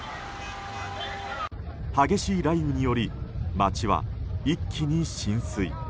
激しい雷雨により街は一気に浸水。